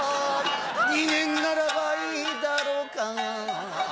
２年ならばいいだろか